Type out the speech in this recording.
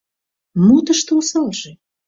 Мо тыште осалже?